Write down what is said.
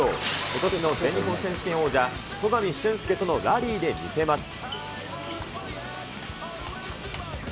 ことしの全日本選手権王者、戸上隼輔とのラリーで見せます。